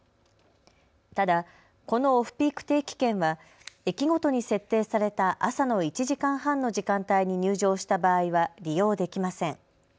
ただ、このオフピーク定期券は駅ごとに設定された朝の１時間半の時間帯に入場した場合は利用できません。